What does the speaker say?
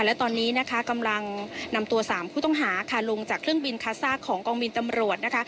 และตอนนี้กำลังนำตัวสามผู้ต้องหาลงจากเครื่องบินคัทซากของกองบินตำรวจ